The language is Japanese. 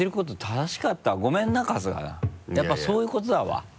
やっぱそういうことだわ。